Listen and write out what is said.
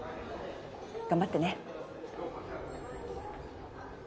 頑張ってね。